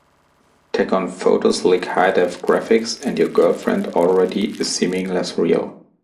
Tack on photo-slick high-def graphics, and your girlfriend already is seeming less real.